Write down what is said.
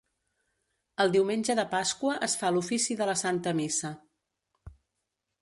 El Diumenge de Pasqua es fa l'ofici de la santa missa.